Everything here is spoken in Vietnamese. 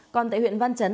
còn tại huyện văn chấn